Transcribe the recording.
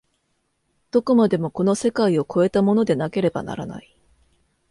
どこまでもこの世界を越えたものでなければならない。